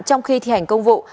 trong khi thi hành công vụ